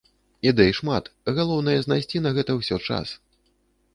Ідэй шмат, галоўнае знайсці на гэта ўсё час.